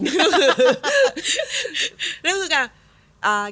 คือการ